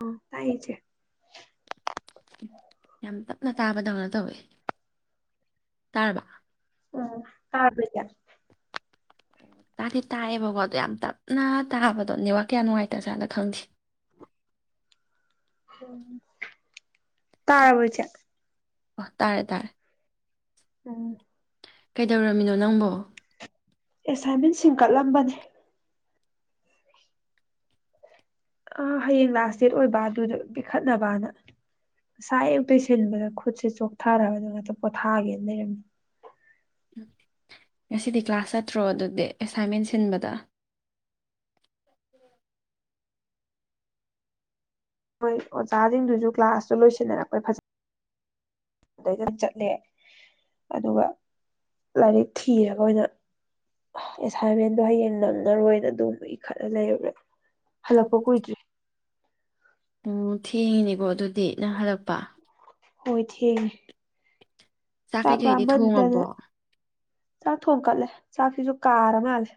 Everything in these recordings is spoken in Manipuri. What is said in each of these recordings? ꯎꯝ ꯇꯥꯏꯌꯦ ꯏꯆꯦ ꯌꯥꯝ ꯇꯞꯅ ꯇꯥꯕꯗꯧꯅ ꯇꯧꯋꯦ ꯇꯥꯔꯕ [unintelligible] ꯇꯥꯗꯤ ꯇꯥꯑꯦꯕꯀꯣ ꯑꯗꯨ ꯌꯥꯝ ꯇꯞꯅ ꯇꯥꯕꯗꯣ ꯅꯦꯠꯋꯥꯛ ꯀꯌꯥ ꯅꯨꯡꯉꯥꯏꯇꯖꯠꯂ ꯈꯪꯗꯦ [unintelligible] ꯇꯥꯔꯕ ꯏꯆꯦ ꯑꯣ ꯇꯥꯔꯦ ꯇꯥꯔꯦ ꯎꯝ ꯀꯩꯗꯧꯔꯝꯃꯤꯅꯣ ꯅꯪꯕꯣ ꯑꯦꯁꯥꯏꯟꯃꯦꯟ ꯁꯤꯡ ꯀꯠꯂꯝꯕꯅꯤ ꯑ ꯍꯌꯦꯡ ꯂꯥꯁ ꯗꯦꯠ ꯑꯣꯏꯕ ꯑꯗꯨꯗꯣ ꯄꯤꯈꯠꯅꯕꯅ ꯉꯁꯥ ꯑ ꯇꯣꯏꯁꯤꯟꯕꯗ ꯈꯨꯠꯁꯦ ꯆꯣꯛꯊꯔꯕꯗ ꯉꯥꯛꯇ ꯄꯣꯊꯥꯒꯦꯅ ꯂꯩꯔꯝꯃꯤ ꯉꯁꯤꯗꯤ ꯀ꯭ꯂꯥꯁ ꯆꯠꯇ꯭ꯔꯣ ꯑꯗꯨꯗꯤ ꯑꯦꯁꯥꯏꯟꯃꯦꯟ ꯁꯤꯟꯕꯗ ꯃꯣꯏ ꯑꯣꯖꯥꯁꯤꯡꯗꯨꯁꯨ ꯀ꯭ꯂꯥꯁꯇꯣ ꯂꯣꯏꯁꯤꯟꯅꯔꯛꯄꯩ ꯐꯖꯗꯩꯗꯝ ꯆꯠꯂꯦ ꯑꯗꯨꯒ ꯂꯥꯏꯔꯤꯛ ꯊꯤꯔꯒ ꯑꯣꯏꯅ ꯑꯦꯁꯥꯏꯟꯃꯦꯟꯗꯣ ꯍꯌꯦꯡ ꯅꯪꯉꯔꯣꯏꯅ ꯑꯗꯨꯕ ꯏꯈꯠꯂ ꯂꯩꯔꯨꯔꯦ ꯍꯜꯂꯛꯄꯣ ꯀꯨꯏꯗ꯭ꯔꯤ ꯎꯝ ꯊꯦꯡꯉꯤꯅꯦꯀꯣ ꯑꯗꯨꯗꯤ ꯅꯪ ꯍꯜꯂꯛꯄ ꯍꯣꯏ ꯊꯦꯡꯉꯦ ꯆꯥꯛ ꯀꯩꯀꯩꯗꯤ ꯊꯣꯡꯉꯕꯣ ꯆꯥꯛ ꯊꯣꯡ ꯀꯠꯂꯦ ꯆꯥꯛꯁꯤꯁꯨ ꯀꯥꯔ ꯃꯥꯜꯂꯦ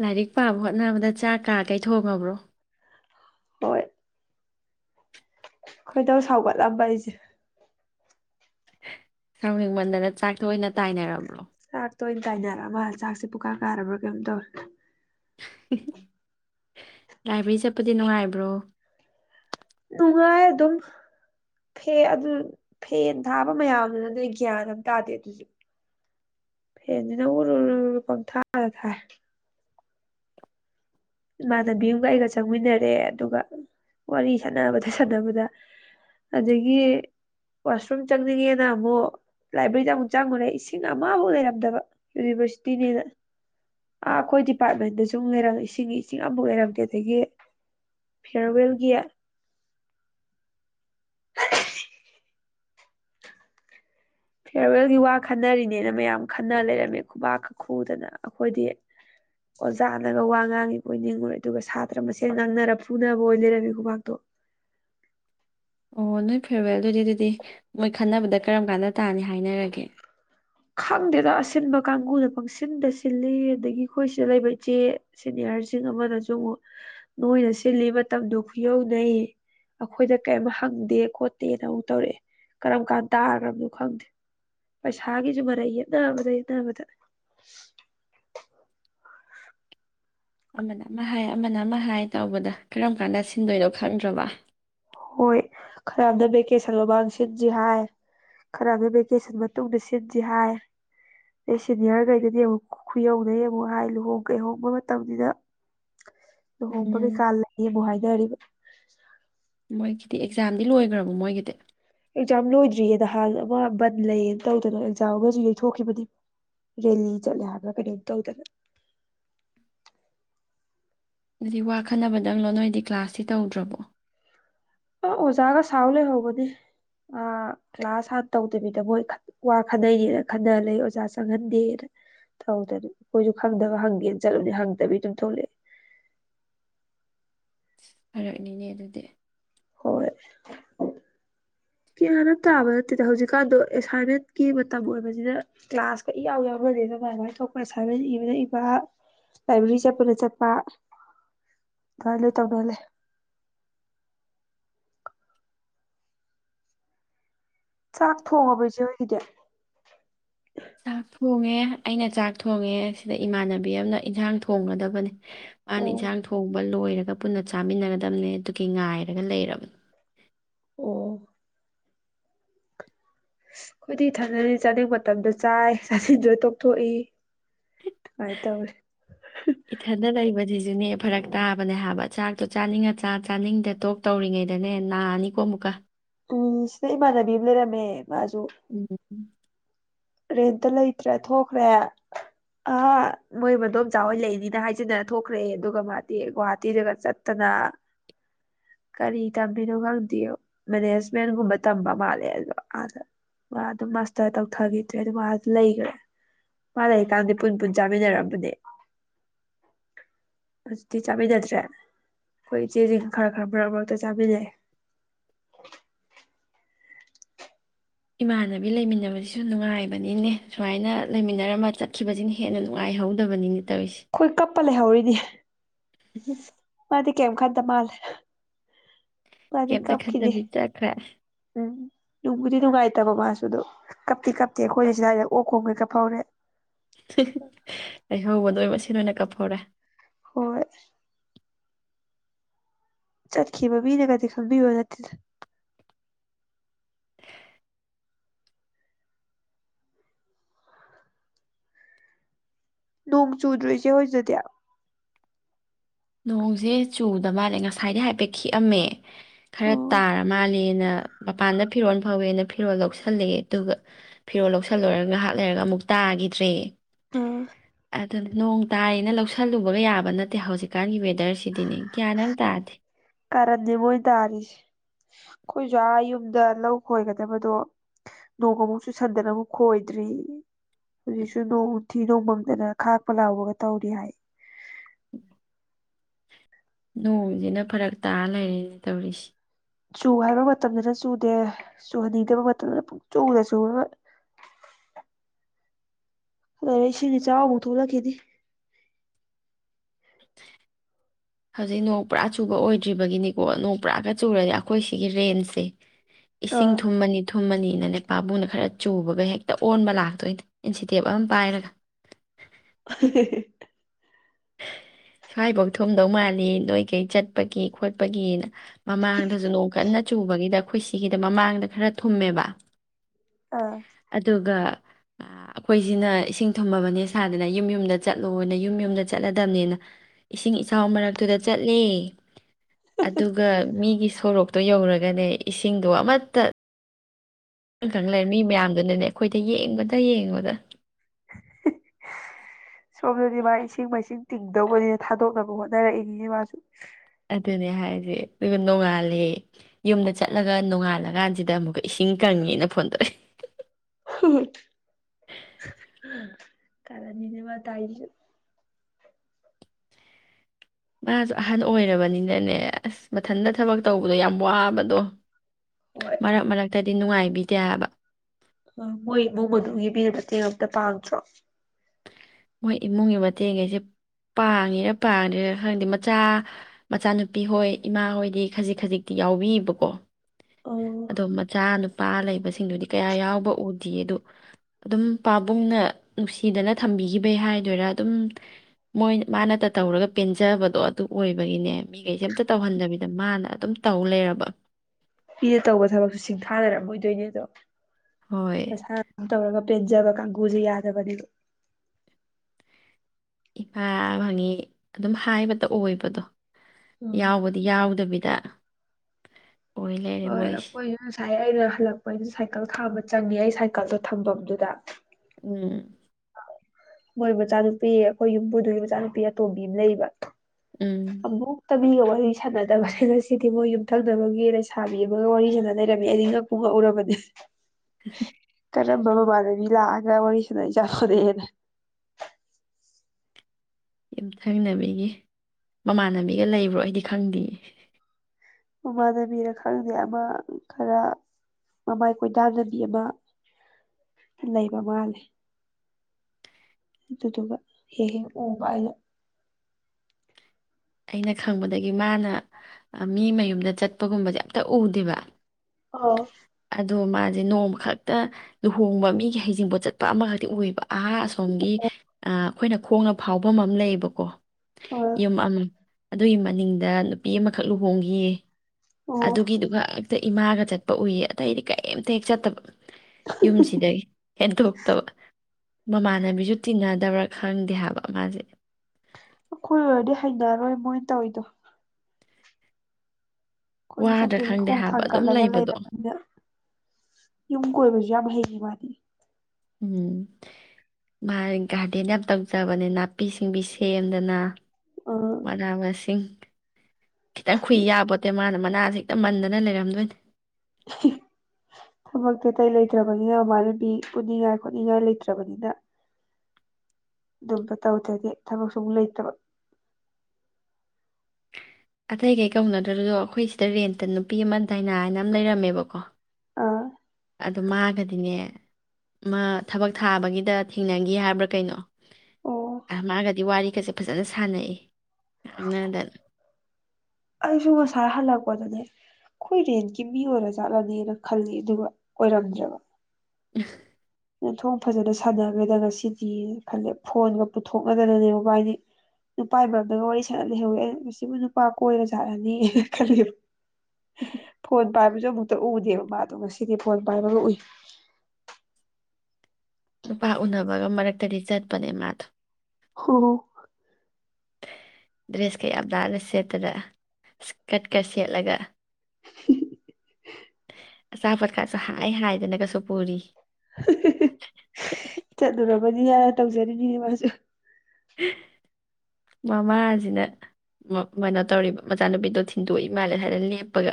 ꯂꯥꯏꯔꯤꯛ ꯄꯥꯕ ꯍꯣꯠꯅꯕꯗ ꯆꯥꯛ ꯀꯥ ꯀꯩ ꯊꯣꯡꯉꯕ꯭ꯔꯣ ꯍꯣꯏ ꯈꯣꯏꯗꯧ ꯁꯥꯎꯒꯠꯂꯕ ꯑꯩꯁꯦ ꯁꯥꯎꯅꯤꯡꯃꯟꯗꯅ ꯆꯥꯛꯇꯣꯏꯅ ꯇꯥꯏꯅꯔꯕ꯭ꯔꯣ ꯆꯥꯛꯇ ꯑꯣꯏꯅ ꯇꯥꯏꯅꯦꯔ ꯑꯃ ꯆꯥꯛꯁꯦ ꯄꯨꯀꯥ ꯀꯥꯔꯕ꯭ꯔꯥ ꯀꯩꯝ ꯇꯧꯔ [inaudible] ꯂꯥꯏꯕꯔꯤ ꯆꯠꯄꯗꯤ ꯅꯨꯡꯉꯥꯏꯕ꯭ꯔꯣ ꯅꯨꯡꯉꯥꯏ ꯑꯗꯨꯝ ꯐ ꯑꯗꯨ ꯐꯦꯟ ꯊꯥꯕ ꯃꯌꯥꯝꯗꯨꯅ ꯅꯣꯏ ꯒ꯭ꯌꯥꯟ ꯑꯃ ꯇꯥꯗꯦ ꯑꯗꯨꯁꯨ ꯐꯦꯟꯁꯤꯅ ꯎꯔꯨꯔꯔꯨ ꯄꯪ ꯊꯥꯔ ꯊꯥꯏ ꯏꯃꯥꯟꯅꯕꯤ ꯑꯃꯒ ꯑꯩꯒ ꯆꯪꯃꯤꯟꯅꯔꯦ ꯑꯗꯨꯒ ꯋꯥꯔꯤ ꯁꯥꯟꯅꯕꯗ ꯁꯥꯟꯅꯕꯗ ꯑꯗꯒꯤ ꯋꯥꯁꯔꯨꯝ ꯆꯪꯅꯤꯡꯉꯦꯅ ꯑꯃꯨꯛ ꯂꯥꯏꯕ꯭ꯔꯦꯔꯤꯗ ꯑꯃꯨꯛ ꯆꯪꯉꯨꯔꯦ ꯏꯁꯤꯡ ꯑꯃꯐꯥꯎꯛ ꯂꯩꯔꯝꯗꯕ ꯌꯨꯅꯤꯚꯔꯁꯤꯇꯤꯅꯦꯅ ꯑꯥ ꯑꯩꯈꯣꯏ ꯗꯤꯄꯥꯔꯠꯃꯦꯟꯗ ꯁ ꯂꯩꯔꯝ ꯏꯁꯤꯡ ꯆꯒꯦꯔ ꯀꯦ ꯊ ꯐꯦꯔꯋꯦꯜꯒꯌꯥ ꯐꯤꯌꯔꯋꯦꯜꯒꯤ ꯋꯥ ꯈꯟꯅꯔꯤꯅꯤ ꯅꯦꯅ ꯃꯌꯥꯝ ꯈꯟꯅ ꯂꯩꯔꯝꯃꯤ ꯈꯨꯕꯥꯛꯀ ꯈꯨꯨꯗꯅ ꯑꯩꯈꯣꯏꯗꯤ ꯑꯣꯖꯥꯅꯒ ꯋꯥ ꯉꯥꯡꯉꯤꯕꯣꯏ ꯅꯤꯡꯉꯨꯔꯦ ꯑꯗꯨꯒ ꯁꯥꯇ꯭ꯔ ꯃꯁꯦꯟ ꯉꯥꯡꯅꯔ ꯐꯨꯅꯕ ꯑꯣꯏꯅ ꯂꯩꯔꯝꯃꯤ ꯈꯨꯕꯥꯛꯇꯣ ꯑꯣ ꯅꯣꯏ ꯐꯦꯔꯋꯦꯜꯗꯨꯗꯤ ꯑꯗꯨꯗꯤ ꯃꯣꯏ ꯈꯟꯅꯕꯗ ꯀꯔꯝ ꯀꯥꯟꯗ ꯇꯥꯅꯤ ꯍꯥꯏꯅꯔꯒꯦ ꯈꯪꯗꯦꯗ ꯑꯁꯤꯟꯕ ꯀꯥꯡꯕꯨꯅ ꯄꯪꯁꯤꯟꯗ ꯁꯤꯜꯂꯤ ꯑꯗꯒꯤ ꯑꯩꯈꯣꯏ ꯁꯤꯗ ꯂꯩꯕ ꯏꯆꯦ ꯁꯦꯅꯤꯌꯥꯔꯁꯤꯡ ꯑꯃꯅꯁꯨ ꯑꯃꯨꯛ ꯅꯣꯏꯅ ꯁꯤꯜꯂꯤ ꯃꯇꯝꯗꯣ ꯈꯨꯌꯧꯅꯩ ꯑꯩꯈꯣꯏꯗ ꯀꯩꯝ ꯍꯪꯗꯦ ꯈꯣꯠꯇꯦꯅ ꯑꯃꯨꯛ ꯇꯧꯔꯛꯑꯦ ꯀꯔꯝ ꯀꯥꯟ ꯇꯥꯈ꯭ꯔꯕꯅꯣ ꯈꯪꯗꯦ ꯄꯩꯁꯥ ꯑꯥꯒꯤꯖꯨ ꯃꯔꯩ ꯌꯦꯠꯅꯕꯗ ꯌꯦꯠꯅꯕꯗ ꯑꯃꯅ ꯑꯃ ꯍꯥꯏ ꯑꯃꯅ ꯑꯃ ꯍꯥꯏ ꯇꯧꯕꯗ ꯀꯔꯝ ꯀꯥꯟꯗ ꯁꯤꯟꯗꯣꯏꯅꯣ ꯈꯪꯗ꯭ꯔꯕ ꯍꯣꯏ ꯈꯔꯃꯅ ꯚꯦꯀꯦꯁꯟ ꯃꯃꯥꯡ ꯁꯤꯟꯁꯤ ꯍꯥꯏ ꯈꯔꯃꯅ ꯚꯦꯀꯦꯁꯟ ꯃꯇꯨꯡꯗ ꯁꯤꯟꯁꯤ ꯍꯥꯏ ꯑꯗꯩ ꯁꯦꯅꯤꯌꯔꯈꯩꯗꯗꯤ ꯑꯃꯨꯛ ꯈꯨꯌꯧꯅꯩ ꯑꯃꯨꯛ ꯍꯥꯏ ꯂꯨꯍꯣꯡ ꯀꯩꯍꯣꯡꯕ ꯃꯇꯝꯅꯤꯅ ꯂꯨꯍꯣꯡꯕ ꯎꯝ ꯀꯩꯀꯥ ꯂꯩ ꯃꯨꯛ ꯍꯥꯏ ꯌꯥꯔꯤꯕ ꯃꯣꯏꯒꯤꯗꯤ ꯑꯦꯛꯖꯥꯝꯗꯤ ꯂꯣꯏꯒ꯭ꯔꯕꯣ ꯃꯣꯏꯒꯤꯗꯤ ꯑꯦꯛꯖꯥꯝ ꯂꯣꯏꯗ꯭ꯔꯤꯌꯦ ꯅꯍꯥꯟ ꯑꯃ ꯕꯟ ꯂꯩꯌꯦꯅ ꯇꯧꯗꯅ ꯑꯦꯛꯖꯥꯝ ꯑꯃꯁꯨ ꯌꯩꯊꯣꯛꯈꯤꯕꯅꯤ ꯔꯦꯂꯤ ꯆꯠꯂꯦ ꯍꯥꯏꯕ꯭ꯔꯥ ꯀꯩꯅꯣꯝ ꯇꯧꯗꯅ ꯑꯗꯨꯗꯤ ꯋꯥ ꯈꯠꯅꯕꯗꯪꯪꯂꯣ ꯅꯣꯏꯗꯤ ꯀ꯭ꯂꯥꯁꯇꯤ ꯇꯧꯗ꯭ꯔꯕꯣ ꯑꯥ ꯑꯣꯖꯥꯒ ꯁꯥꯎ ꯂꯩꯍꯧꯕꯅꯦ ꯑ ꯀ꯭ꯂꯥꯁ ꯍꯥꯟꯅ ꯇꯧꯗꯕꯤꯗ ꯃꯣꯏ ꯋꯥ ꯈꯠꯅꯩꯅꯦꯅ ꯈꯅꯍ ꯂꯩ ꯑꯣꯖꯥ ꯆꯪꯍꯟꯗꯦꯅ ꯇꯧꯗꯅ ꯑꯩꯈꯣꯏꯁꯨ ꯈꯪꯗꯕ ꯍꯪꯒꯦꯅ ꯆꯠꯂꯨꯅꯤ ꯍꯪꯗꯕꯤ ꯑꯗꯨꯝ ꯊꯣꯛꯂꯛꯑꯦ ꯐꯔꯛꯅꯤꯅꯦ ꯑꯗꯨꯗꯤ ꯍꯣꯏ ꯒ꯭ꯌꯟꯃ ꯇꯥꯕ ꯅꯠꯇꯦꯗ ꯍꯧꯖꯤꯛꯀꯥꯟꯗꯣ ꯑꯦꯁꯥꯏꯟꯃꯦꯟꯒꯤ ꯃꯇꯝ ꯑꯣꯏꯕꯁꯤꯅ ꯀ꯭ꯂꯥꯁꯀ ꯏꯌꯥꯎ ꯌꯥꯎꯅꯗꯦꯗ ꯃꯥꯏꯃꯥꯏꯅ ꯊꯣꯛꯄ ꯑꯦꯁꯥꯏꯟꯃꯦꯟ ꯏꯕꯅ ꯏꯕ ꯂꯥꯏꯕ꯭ꯔꯤ ꯆꯠꯄꯅ ꯆꯠꯄ ꯗꯨꯃꯥꯢꯅ ꯂꯣꯢ ꯇꯧꯅ ꯂꯩ ꯆꯥꯛ ꯊꯣꯡꯉꯕꯣ ꯏꯆꯦꯍꯣꯢꯒꯤꯗꯤ ꯆꯥꯛ ꯊꯣꯡꯉꯦ ꯑꯩꯅ ꯆꯥꯛ ꯊꯣꯡꯉꯦ ꯁꯤꯗ ꯏꯃꯥꯟꯅꯕꯤ ꯑꯃꯅ ꯏꯟꯁꯥꯡ ꯊꯣꯡꯒꯗꯕꯅꯤ ꯃꯥꯅ ꯑꯣ ꯏꯟꯖꯥꯟ ꯊꯣꯡꯕ ꯂꯣꯏꯔꯒ ꯄꯨꯟꯅ ꯆꯥꯃꯤꯟꯅꯒꯗꯕꯅꯦ ꯑꯗꯨꯒꯤ ꯉꯥꯏꯔꯒ ꯂꯩꯔꯕꯅꯤ ꯑꯣ ꯑꯩꯈꯣꯏꯗꯤ ꯊꯛꯅꯅꯤ ꯆꯥꯅꯤꯡꯕ ꯃꯇꯝꯗ ꯆꯥꯏ ꯆꯥꯅꯤꯡꯖ꯭ꯔ ꯇꯣꯛꯊꯣꯛꯏ ꯑꯗꯨꯃꯥꯏꯅ ꯇꯧꯋꯤ ꯏꯊꯟꯗ ꯂꯩꯕꯖꯤꯖꯨꯅꯦ ꯐꯔꯛ ꯇꯥꯕꯅꯦ ꯍꯥꯏꯕ ꯆꯥꯛꯇꯣ ꯆꯥꯅꯤꯡꯉ ꯆꯥ ꯆꯥꯅꯤꯡꯗ ꯇꯣꯛ ꯇꯧꯔꯤꯉꯩꯗꯅꯦ ꯅꯥꯅꯤꯀꯣ ꯑꯃꯨꯛꯀ ꯎꯡ ꯁꯤꯗ ꯏꯃꯅꯕꯤꯃ ꯂꯩꯔꯝꯃꯦ ꯃꯥꯖꯨ ꯎꯝ ꯔꯦꯟꯇ ꯂꯩꯇ꯭ꯔꯦ ꯊꯣꯛꯈ꯭ꯔꯦ ꯑ ꯃꯣꯏ ꯃꯗꯣꯝꯆꯥꯥ ꯍꯣꯏ ꯂꯩꯅꯤ ꯍꯥꯏꯖꯤꯟꯅ ꯊꯣꯛꯈ꯭ꯔꯦ ꯑꯗꯨꯒ ꯃꯥꯗꯤ ꯒꯨꯍꯥꯇꯤꯗꯒ ꯆꯠꯇꯅ ꯀꯔꯤ ꯇꯝꯃꯤꯅꯣ ꯈꯪꯗꯦ ꯃꯦꯅꯦꯖꯃꯦꯟꯒꯨꯝꯕ ꯇꯝꯕ ꯃꯥꯜꯂꯦ ꯑꯗꯣ ꯑꯥꯗ ꯃꯥ ꯑꯗꯨꯝ ꯃꯥꯁꯇꯔ ꯇꯧꯊꯈꯤꯗ꯭ꯔꯦ ꯑꯗꯨ ꯃꯥ ꯂꯩꯈ꯭ꯔꯦ ꯃꯥ ꯂꯩꯔꯤꯀꯥꯟꯗ ꯄꯨꯟ ꯄꯨꯟ ꯆꯥꯃꯤꯟꯅꯔꯝꯕꯅꯦ ꯍꯧꯖꯤꯛꯇꯤ ꯆꯥꯃꯤꯟꯅꯗ꯭ꯔꯦ ꯑꯩꯈꯣꯏ ꯏꯆꯦꯁꯤꯡ ꯈꯔ ꯈꯔ ꯃꯔꯛ ꯃꯔꯛꯇ ꯆꯥꯃꯤꯟꯅꯩ ꯏꯃꯥꯟꯅꯕꯤ ꯂꯩꯃꯤꯟꯅꯕꯁꯤꯁꯨ ꯅꯨꯡꯉꯥꯏꯕꯅꯤꯅꯦ ꯁꯨꯃꯥꯏꯅ ꯂꯩꯃꯤꯟꯅꯔꯃ ꯆꯠꯈꯤꯕꯁꯤꯅ ꯍꯦꯟꯅ ꯅꯨꯡꯉꯥꯏꯍꯧꯗꯕꯅꯤꯅ ꯇꯧꯋꯤꯁꯦ ꯄ ꯂꯩꯍꯧꯔꯤꯅꯤ ꯎ ꯍꯨ ꯗꯤ ꯀꯌꯝ ꯈꯟꯗ ꯃꯥꯜꯂꯦ ꯃꯥꯗꯤ ꯀꯤꯝꯇ ꯀꯞꯈꯤꯅꯤ ꯈꯟꯗꯕꯤ ꯆꯠꯈ꯭ꯔꯦ ꯎꯝ ꯅꯨꯡꯕꯨꯗꯤ ꯅꯨꯡꯉꯥꯏꯇꯕ ꯃꯥꯁꯨ ꯑꯗꯨꯣ ꯀꯞꯇꯤ ꯀꯞꯇꯦ ꯑꯈꯣꯏꯅ ꯁꯥꯏꯗ ꯑꯣꯛ ꯈꯣꯡꯒꯩ ꯀꯞ ꯐꯥꯎꯔꯦ [unintelligible] ꯂꯩꯍꯧꯕ ꯅꫭꯏ ꯃꯁꯦꯟ ꯅꫭꯏꯅ ꯀꯞꯐꯧꯔꯦ ꯍꯣꯏ ꯆꯠꯈꯤꯕ ꯃꯤꯅ ꯀꯗꯤ ꯈꯟꯕꯤꯕ ꯅꯠꯇꯦꯗ [inaudible] ꯅꯣꯡ ꯆꯨꯗꯔꯣ ꯏꯆꯦ ꯍꯣꯏꯖꯗꯤ ꯅꯣꯡꯁꯦ ꯆꯨꯗ ꯃꯥꯜꯂꯦ ꯉꯁꯥꯏꯗꯩ ꯍꯥꯏꯐꯦꯠ ꯈꯤꯛꯑꯝꯃꯦ ꯈꯔ ꯇꯥꯔ ꯃꯥꯜꯂꯦꯅ ꯃꯄꯥꯟꯗ ꯐꯤꯔꯣꯜ ꯐꯧꯋꯦꯅ ꯐꯤꯔꯣꯜ ꯂꯧꯁꯜꯂꯦ ꯑꯗꯨꯒ ꯐꯤꯔꯣꯜ ꯂꯧꯁꯜꯂꯣꯏꯔꯒ ꯉꯥꯏꯍꯥꯛ ꯂꯩꯔꯒ ꯑꯃꯨꯛ ꯇꯥꯈꯤꯗ꯭ꯔꯦ ꯑꯥ ꯑꯗꯨ ꯅꯣꯡ ꯇꯥꯏꯌꯦꯅ ꯂꯧꯁꯜꯂꯨꯕꯒ ꯌꯥꯕ ꯅꯠꯇꯦ ꯍꯧꯖꯤꯛꯇꯤ ꯀꯥꯟꯒꯤ [unintelligible] ꯀꯔꯟꯅꯤ ꯃꫭꯏ ꯇꯥꯔꯤꯖꯦ ꯑꯈꯣꯏꯖꯨ ꯑꯥ ꯌꯨꯝꯗ ꯂꯧ ꯈꯣꯏꯒꯗꯕꯗꯣ ꯅꯣꯡꯑꯃꯨꯛ ꯖꯨꯁꯟꯗꯅ ꯑꯃꯨꯛ ꯈꯣꯏꯗ꯭ꯔꯤ ꯍꯧꯖꯤꯛꯁꯨ ꯅꯣꯡ ꯊꯤꯗꯣꯡꯃꯪꯗꯅ ꯈꯥꯛꯄ ꯂꯥꯎꯕꯒ ꯇꯧꯔꯤ ꯍꯥꯏ ꯅꯣꯡꯁꯤꯅ ꯐꯔꯛ ꯇꯥ ꯂꯩꯔꯦꯅꯦ ꯇꯧꯔꯤꯁꯤ ꯆꯨ ꯍꯥꯏꯕ ꯃꯇꯝꯗꯅ ꯆꯨꯗꯦ ꯆꯨꯍꯟꯅꯤꯡꯗꯕ ꯃꯇꯝꯗꯅ ꯄꯨꯡ ꯆꯨꯗ ꯆꯨꯔꯒ ꯈꯔ ꯂꯩꯔ ꯏꯁꯤꯡ ꯏꯆꯥꯎ ꯑꯃꯨꯛ ꯊꯣꯛꯂꯛꯈꯤꯅꯤ ꯍꯧꯖꯤꯛ ꯅꯣꯡ ꯄꯨꯔꯥ ꯆꯨꯕ ꯑꯣꯏꯗ꯭ꯔꯤꯕꯒꯤꯅꯤꯀꯣ ꯅꯣꯡ ꯄꯨꯔꯥꯒ ꯆꯨꯔꯗꯤ ꯑꯈꯣꯏ ꯁꯤꯒꯤ ꯔꯦꯟꯁꯦ ꯏꯁꯤꯡ ꯑꯥ ꯊꯨꯝꯃꯅꯤ ꯊꯨꯝꯃꯅꯤꯅꯅꯦ ꯄꯥꯥꯕꯨꯅ ꯈꯔ ꯆꯨꯕꯒ ꯍꯦꯛꯇ ꯑꯣꯟꯕ ꯂꯥꯛꯇꯣꯏꯅꯦ ꯏꯟꯖꯤꯗꯦꯞ ꯑꯝ ꯄꯥꯏꯔꯒ [unintelligible] ꯁ꯭ꯋꯥꯏꯐꯥꯎ ꯊꯨꯝꯗꯧ ꯃꯥꯜꯂꯤ ꯅꯣꯏ ꯀꯩ ꯆꯠꯄꯒꯤ ꯈꯣꯠꯄꯒꯤꯅ ꯃꯃꯥꯡꯗꯁꯨ ꯅꯣꯡ ꯀꯟꯅ ꯆꯨꯕꯒꯤꯗ ꯑꯈꯣꯏ ꯁꯤꯒꯤꯗ ꯃꯃꯥꯡꯗ ꯈꯔ ꯊꯨꯝꯃꯦꯕ ꯑꯥ ꯑꯗꯨꯒ ꯑꯈꯣꯏꯁꯤꯅ ꯏꯁꯤꯡ ꯊꯨꯝꯃꯕꯅꯦ ꯁꯥꯗꯅ ꯌꯨꯝ ꯌꯨꯝꯗ ꯆꯠꯂꯣꯅ ꯌꯨꯝ ꯌꯨꯝꯗ ꯆꯠꯂꯗꯕꯅꯤꯅ ꯏꯁꯤꯡ ꯏꯆꯥꯎ ꯃꯔꯛꯇꯨꯗ ꯆꯠꯂꯦ ꯑꯗꯨꯒ ꯃꯤꯒꯤ ꯁꯣꯔꯣꯛ ꯇꯣ ꯌꯧꯔꯒꯅꯦ ꯏꯁꯤꯡꯗꯣ ꯑꯃꯠꯇ ꯈꯪ ꯂꯩꯔ ꯃꯤ ꯃꯌꯥꯝꯗꯨꯅꯅꯦ ꯑꯈꯣꯏꯗ ꯌꯦꯡꯕꯗ ꯌꯦꯡꯕꯗ ꯁꯣꯝꯗꯗꯤ ꯃꯥ ꯏꯁꯤꯡ ꯃꯥꯏꯁꯤꯡ ꯇꯤꯡꯗꯧꯕꯅꯤꯅ ꯊꯥꯗꯣꯛꯅꯕ ꯍꯣꯠꯅꯔꯛꯏꯅꯤꯅꯦ ꯃꯥꯁꯨ ꯑꯗꯨꯅꯦ ꯍꯥꯏꯁꯦ ꯑꯗꯨꯒ ꯅꯣꯡꯉꯥꯜꯂꯦ ꯌꯨꯝꯗ ꯆꯠꯂꯒ ꯅꯣꯡꯉꯥꯜꯂꯀꯥꯟꯁꯤꯗ ꯑꯃꯨꯛ ꯏꯁꯤꯡ ꯀꯪꯉꯦꯅ ꯐꯣꯟ ꯇꯧꯔꯛꯑꯦ [unintelligible] ꯀꯤꯔꯟꯅꯤꯅꯦ ꯃꯥ ꯇꯥꯏꯖꯤꯖꯨ ꯃꯥꯁꯨ ꯑꯍꯟ ꯑꯣꯏꯔꯕꯅꯤꯅꯅꯦ ꯑꯁ ꯃꯊꯟꯇ ꯊꯕꯛ ꯇꯧꯕꯗꯣ ꯌꯥꯝ ꯋꯥꯕꯗꯣ ꯍꯣꯏ ꯃꯔꯛ ꯃꯔꯛꯇꯗꯤ ꯅꯨꯡꯉꯥꯏ ꯕꯤꯗꯦꯕ ꯃꯣꯏ ꯏꯃꯨꯡ ꯃꯅꯨꯡꯒꯤ ꯃꯤꯅ ꯃꯇꯦꯡ ꯑꯝꯇ ꯄꯥꯡꯗ꯭ꯔꯣ ꯃꯣꯏ ꯏꯃꯨꯡꯒꯤ ꯃꯇꯦꯡ ꯈꯩꯁꯦ ꯄꯥꯡꯉꯤꯔ ꯄꯥꯡꯗ꯭ꯔꯤꯔ ꯈꯪꯗꯦ ꯃꯆꯥ ꯃꯆꯥꯅꯨꯄꯤ ꯍꯣꯏ ꯏꯃꯥ ꯍꯣꯏꯗꯤ ꯈꯖꯤꯛ ꯈꯖꯤꯛꯇꯤ ꯌꯥꯎꯕꯤꯌꯦꯕꯀꯣ ꯑꯣ ꯑꯗꯣ ꯃꯆꯥꯅꯨꯄꯤ ꯄꯥ ꯂꯩꯕꯁꯤꯡꯗꯨꯗꯤ ꯀꯌꯥ ꯌꯥꯎꯕ ꯎꯗꯦ ꯑꯗꯨꯗ ꯑꯗꯨꯝ ꯄꯥꯕꯨꯡꯅ ꯅꯨꯡꯁꯤꯗꯅ ꯊꯝꯕꯤꯈꯤꯕ ꯍꯥꯏꯗꯣꯏꯔꯥ ꯑꯗꯨꯝ ꯃꯣꯏ ꯃꯥꯅꯇ ꯇꯧꯔꯒ ꯄꯦꯟꯖꯕꯗꯣ ꯑꯗꯨ ꯑꯣꯏꯕꯒꯤꯅꯦ ꯃꯤꯈꯩꯁꯦ ꯑꯝꯇ ꯇꯧꯍꯟꯗꯕꯤꯗ ꯃꯥꯅ ꯑꯗꯨꯝ ꯇꯧ ꯂꯩꯔꯕ ꯃꯤꯅ ꯇꯧꯕ ꯊꯕꯛꯁꯨ ꯁꯤꯡꯊꯥꯅꯔꯝꯃꯣꯏꯗꯣꯏꯅꯦ ꯑꯗꯣ ꯍꯣꯏ ꯃꯁꯥ ꯇꯧꯔꯒ ꯄꯦꯟ ꯖꯕ ꯀꯥꯒꯨꯁꯦ ꯌꯥꯗꯕꯅꯤꯕ ꯏꯄꯥ ꯐꯪꯉꯤ ꯑꯗꯨꯝ ꯍꯥꯏꯕꯇ ꯑꯣꯏꯕꯗꯣ ꯎꯝ ꯌꯥꯎꯕꯗꯤ ꯌꯥꯎꯗꯕꯤꯗ ꯑꯣꯏ ꯂꯩꯔꯦ ꯍꯣꯏ ꯃꯣꯏꯁꯦ ꯑꯩꯈꯣꯏꯁꯨ ꯉꯁꯥꯏ ꯑꯩꯅ ꯍꯜꯂꯛꯄꯁꯨ ꯁꯥꯏꯀꯜ ꯊꯥꯕ ꯆꯪꯉꯦ ꯑꯩꯥꯏ ꯀꯜꯗꯣ ꯊꯝꯐꯝꯗꯨꯗ ꯎꯝ ꯃꯣꯏ ꯃꯆꯥꯅꯨꯄꯤ ꯑꯩꯈꯣꯏ ꯌꯨꯝꯕꯨꯗꯨꯒꯤ ꯃꯆꯥꯅꯨꯄꯤ ꯑꯇꯣꯝꯕꯤ ꯑꯃ ꯂꯩꯕ ꯎꯝ ꯑꯃꯨꯛ ꯆꯛꯇꯕꯤꯒ ꯋꯥꯔꯤ ꯁꯥꯟꯅꯗꯕꯅꯤ ꯉꯁꯤꯗꯤ ꯃꯣꯏ ꯌꯨꯝꯊꯪꯅꯕꯒꯤ ꯂꯩꯁꯥꯕꯤ ꯑꯃꯒ ꯋꯥꯔꯤ ꯁꯥꯟꯅ ꯂꯩꯔꯝꯃꯤ ꯑꯩꯗꯤ ꯉꯛꯄꯨ ꯉꯛꯎꯔꯕꯅꯦ [unintelligible] ꯀꯔꯝꯕ ꯃꯃꯥꯅꯕꯤꯕꯤ ꯂꯤꯛꯑꯒ ꯋꯥꯔꯤ ꯁ [unintelligible] ꯌꯨꯝꯊꯪꯅꯕꯤꯒꯤ ꯃꯃꯥꯟꯅꯕꯤꯒ ꯂꯩꯕ꯭ꯔꯣ ꯑꯩꯗꯤ ꯈꯪꯗꯦ ꯃꯃꯥꯟꯅꯕꯤꯔ ꯈꯪꯗꯦ ꯑꯃ ꯈꯔ ꯃꯃꯥꯏ ꯀꯣꯏꯗꯥꯅꯕꯤ ꯑꯃ ꯂꯩꯕ ꯃꯥꯜꯂꯦ ꯑꯗꯨꯗꯨꯒ ꯍꯦꯛ ꯍꯦꯛ ꯎꯕ ꯑꯩꯅ ꯑꯩꯅ ꯈꯪꯕꯗꯒꯤ ꯃꯥꯅ ꯃꯤ ꯃꯌꯨꯝꯗ ꯆꯠꯄꯒꯨꯝꯕꯁꯦ ꯑꯝꯇ ꯎꯗꯦꯕ ꯑꯥ ꯑꯗꯣ ꯃꯥꯁꯦ ꯅꯣꯡꯃ ꯈꯛꯇ ꯂꯨꯍꯣꯡꯕ ꯃꯤꯒꯤ ꯍꯩꯖꯤꯡꯕꯣꯠ ꯆꯠꯄ ꯑꯃꯈꯛꯇꯤ ꯎꯕ ꯑꯍꯥ ꯑꯁꯣꯝꯒꯤ ꯑꯩꯈꯣꯏꯅ ꯈꯣꯡꯅ ꯐꯥꯎꯐꯝ ꯑꯃ ꯂꯩꯌꯦꯕꯀꯣ ꯑ ꯌꯨꯝ ꯑꯃ ꯑꯗꯨꯒꯤ ꯃꯅꯤꯡꯗ ꯅꯨꯄꯤ ꯑꯃꯈꯛ ꯂꯨꯍꯣꯡꯈꯤꯌꯦ ꯑꯣ ꯑꯗꯨꯒꯤꯗꯨꯒ ꯑ ꯏꯃꯥꯒ ꯆꯠꯄ ꯎꯏ ꯑꯇꯩꯗꯤ ꯀꯩꯝꯇ ꯍꯦꯛ ꯆꯠꯇꯕ ꯌꯨꯝꯁꯤꯗꯒꯤ ꯍꯦꯟꯗꯣꯛꯇꯕ ꯃꯃꯥꯟꯅꯕꯤꯁꯨ ꯇꯤꯟꯅꯗꯕ꯭ꯔꯥ ꯈꯪꯗꯦ ꯍꯥꯏꯕ ꯃꯥꯁꯦ ꯑꯩꯈꯣꯏ ꯑꯣꯏꯔꯗꯤ ꯍꯩꯅꯔꯔꯣꯏ ꯃꯣꯏꯅ ꯇꯧꯔꯤꯗꯣ ꯑꯩꯈꯣꯏꯗꯤ ꯋꯥꯗ꯭ꯔꯥ ꯆꯠꯇꯣꯏꯒꯤ ꯈꯪꯗꯦ ꯈꯣꯡ ꯍꯥꯏꯕ ꯊꯥꯡ ꯑꯗꯨꯝ ꯀꯠꯂꯒ ꯂꯩꯕꯗꯣ ꯂꯩꯔꯕꯅꯤꯅ ꯌꯨꯝ ꯀꯣꯏꯕꯁꯨ ꯌꯥꯝ ꯍꯩꯉ ꯃꯥꯗꯤ ꯎꯝ ꯃꯥ ꯒꯥꯔꯗꯦꯟ ꯌꯥꯝ ꯇꯧꯖꯕꯅꯦ ꯅꯥꯄꯤ ꯁꯤꯡꯕꯤ ꯁꯦꯝꯗꯅ ꯑꯥ ꯃꯅꯥꯕꯁꯤꯡ ꯈꯤꯇꯪ ꯈ ꯍꯣꯏ ꯈꯨꯏ ꯑꯕꯗꯤ ꯃꯥꯅ ꯃꯅꯥꯦ ꯍꯦꯛꯇꯃꯟꯗꯅ ꯂꯩꯔꯝꯗꯣꯏꯅꯦ ꯊꯕꯛꯇꯤ ꯑꯇꯩ ꯂꯩꯇ꯭ꯔꯕꯅꯤꯅ ꯃꯃꯥꯟꯅꯕꯤ ꯄꯨꯅꯤꯡꯉꯥꯏ ꯈꯣꯠꯅꯤꯡꯉꯥꯏ ꯂꯩꯇ꯭ꯔꯕꯅꯤꯅ ꯑꯗꯨꯝꯕ ꯇꯧꯗ꯭ꯔꯗ ꯊꯕꯛꯁꯨ ꯑꯃꯨꯛ ꯂꯩꯇꯕ ꯑꯇꯩꯒꯩ ꯀꯧꯅꯗ꯭ꯔꯁꯨ ꯑꯩꯈꯣꯏ ꯁꯤꯗ ꯔꯦꯟꯇ ꯅꯨꯄꯤ ꯑꯃ ꯗꯩꯅꯥꯅ ꯑꯃ ꯂꯩꯔꯝꯃꯦꯕꯀꯣ ꯑꯥ ꯑꯗꯣ ꯃꯥꯒꯗꯤꯅꯦ ꯃꯥ ꯊꯕꯛ ꯊꯥꯕꯒꯤꯗ ꯊꯦꯡꯅꯈꯤ ꯍꯥꯏꯕ꯭ꯔꯥ ꯀꯩꯅꯣ ꯑꯣ ꯃꯥꯒꯗꯤ ꯋꯥꯔꯤꯒꯁꯦ ꯐꯖꯅ ꯁꯥꯟꯅꯩꯌꯦ ꯑꯩꯁꯨ ꯉꯁꯥꯏ ꯍꯜꯂꯛꯄꯗꯅꯦ ꯑꯩꯈꯣꯏ ꯔꯦꯟꯀꯤ ꯃꯤ ꯑꯣꯏꯔ ꯖꯥꯠꯂꯅꯦꯅ ꯈꯜꯂꯦ ꯑꯗꯨꯒ ꯑꯣꯏꯔꯝꯗ꯭ꯔꯕ ꯑ ꯑꯣꯟꯊꯣꯡ ꯐꯖꯅ ꯁꯥꯟꯅꯈ꯭ꯔꯦꯗ ꯉꯁꯤꯗꯤꯅ ꯈꯜꯂꯦ ꯐꯣꯟꯒ ꯄꯨꯊꯣꯛꯅꯗꯅꯅꯦ ꯃꯕꯥꯏꯅꯤ ꯅꯨꯄꯥꯏ ꯃꯔꯝꯗꯒ ꯋꯥꯔꯤ ꯁꯥꯟꯅ ꯂꯩꯍꯧꯋꯦ ꯑꯁꯤꯕꯨ ꯅꯨꯄꯥ ꯀꯣꯏꯔ ꯖꯥꯠꯂꯅꯦꯅ ꯈꯜꯂꯦ ꯎ ꯐꯣꯟ ꯄꯥꯏꯕꯁꯨ ꯑꯃꯨꯛꯇ ꯎꯗꯦꯕ ꯃꯥꯗꯣ ꯉꯁꯤꯗꯤ ꯐꯣꯟ ꯄꯥꯏꯕꯒ ꯎꯏ ꯅꯨꯄꯥ ꯎꯅꯕꯒ ꯃꯔꯛꯇꯗꯤ ꯆꯠꯄꯅꯦ ꯃꯥꯗꯣ ꯍ ꯗ꯭ꯔꯦꯁꯀ ꯌꯥꯝ ꯅꯥꯟꯅ ꯁꯦꯠꯇꯅ ꯏ꯭ꯁꯀꯠꯀ ꯁꯦꯠꯂꯒ ꯍꯨꯝ ꯍꯨꯝ ꯑꯆꯥꯄꯣꯠꯀꯁꯨ ꯍꯥꯏ ꯍꯥꯏꯗꯅꯒꯁꯨ ꯄꯨꯔꯤ ꯆꯠꯂꯨꯔꯕꯅꯤꯅ ꯇꯧꯖꯔꯤꯅꯤꯅꯦ ꯃꯥꯁꯨ ꯃꯃꯥꯁꯤꯅ ꯀꯩꯅꯣ ꯇꯧꯔꯤꯕ ꯃꯆꯥꯅꯨꯄꯤꯗꯣ ꯊꯤꯟꯗꯣꯛꯏ ꯃꯥꯜꯂꯦ ꯍꯥꯏꯅ ꯂꯦꯞꯄꯒ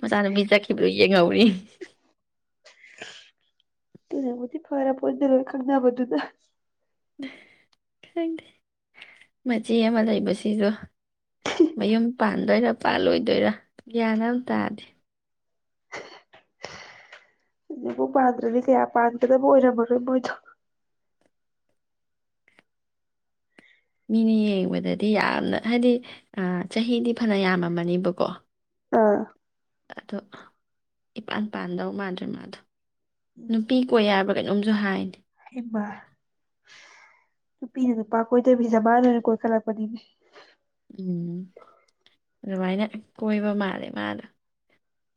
ꯃꯆꯥꯅꯨꯄꯤ ꯆꯠꯈꯤꯕꯗꯣ ꯌꯦꯡꯍꯧꯔꯤꯌꯦ ꯑꯗꯨꯅꯕꯨꯗꯤ ꯐꯔ ꯄꯣꯠꯅꯤꯗ ꯂꯣꯏ ꯈꯪꯅꯕꯗꯨꯅ ꯈꯪꯗꯦ ꯃꯆꯦ ꯑꯃ ꯂꯩꯕꯁꯤꯁꯨ ꯃꯌꯨꯝ ꯄꯥꯟꯗꯣꯏꯔ ꯄꯥꯜꯂꯣꯏꯗꯣꯏꯔꯥ ꯒ꯭ꯌꯥꯟ ꯑꯃ ꯇꯥꯗꯦ ꯍꯧꯖꯤꯛꯐꯥꯎ ꯄꯥꯟꯗ꯭ꯔꯗꯤ ꯀꯌꯥ ꯄꯥꯟꯒꯗꯕ ꯑꯣꯏꯔꯝꯃꯔꯣꯏ ꯃꯣꯏꯗꯣ ꯃꯤꯅ ꯌꯦꯡꯕꯗꯗꯤ ꯌꯥꯝꯅ ꯍꯥꯏꯗꯤ ꯆꯍꯤꯗꯤ ꯐꯅ ꯌꯥꯝꯃꯝꯃꯅꯦꯕꯀꯣ ꯑꯥ ꯑꯗꯣ ꯏꯄꯥꯟ ꯄꯥꯟꯗꯧ ꯃꯥꯟꯗ꯭ꯔꯦ ꯃꯥꯗꯣ ꯅꯨꯄꯤ ꯀꯣꯏ ꯍꯥꯏꯕ꯭ꯔ ꯀꯩꯅꯣꯝꯁꯨ ꯍꯥꯏꯗ ꯏꯃꯥ ꯅꯨꯄꯤꯅ ꯅꯨꯄꯥ ꯀꯣꯏꯗꯕꯤꯗ ꯃꯅꯥ ꯑꯣꯏꯅ ꯀꯣꯏꯈꯠꯂꯛꯄꯅꯤꯅꯦ ꯎꯝ ꯑꯗꯨꯃꯥꯏꯅ ꯀꯣꯏꯕ ꯃꯥꯜꯂꯦ ꯃꯥꯅ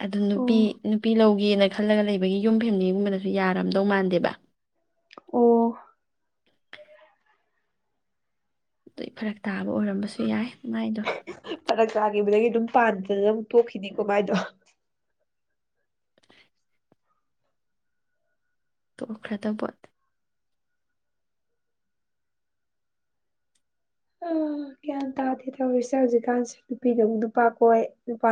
ꯑꯗꯨ ꯅꯨꯄꯤ ꯑꯣ ꯅꯨꯄꯤ ꯂꯧ ꯌꯦꯜꯂꯦ ꯈꯜꯂꯒ ꯂꯩꯕꯒꯤ ꯌꯨꯝ ꯐꯦꯂꯤꯒꯨꯝꯕꯅꯁꯨ ꯌꯥꯔꯝꯗꯧ ꯃꯥꯟꯗꯦꯕ ꯑꯣ ꯇꯏ ꯐꯔꯛ ꯇꯥꯕ ꯑꯣꯏꯔꯝꯕꯁꯨ ꯌꯥꯏ ꯃꯥꯏꯗꯣ ꯐꯔꯛ ꯇꯥꯈꯤꯕꯗꯒꯤ ꯑꯗꯨꯝ ꯄꯥꯟꯗꯅ ꯑꯗꯨꯝ ꯄꯣꯛꯈꯤꯅꯤꯀꯣ ꯃꯥꯏꯗꯣ ꯄꯣꯛꯈ꯭ꯔꯗ ꯄꯣꯠꯅꯤ ꯍꯨꯝ ꯒ꯭ꯌꯥꯟ ꯇꯥꯗꯦ ꯇꯧꯔꯤꯁꯦ ꯍꯧꯖꯤꯛꯀꯥꯟꯁꯦ ꯅꯨꯄꯤꯅ ꯑꯃꯨꯛ ꯅꯨꯄꯥ ꯀꯣꯏ ꯅꯨꯄꯥ